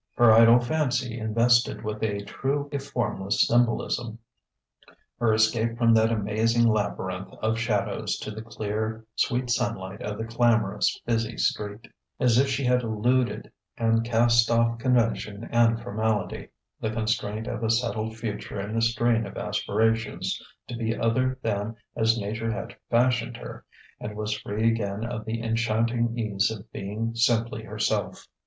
Her idle fancy invested with a true if formless symbolism her escape from that amazing labyrinth of shadows to the clear, sweet sunlight of the clamorous, busy street: as if she had eluded and cast off convention and formality, the constraint of a settled future and the strain of aspirations to be other than as Nature had fashioned her; and was free again of the enchanting ease of being simply herself.